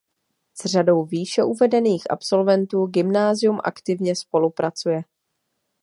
S řadou výše uvedených absolventů gymnázium aktivně spolupracuje.